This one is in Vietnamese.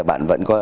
bạn vẫn có